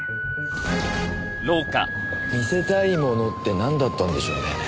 見せたいものってなんだったんでしょうね？